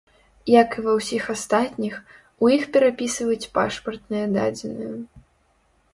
Як і ва ўсіх астатніх, у іх перапісваюць пашпартныя дадзеныя.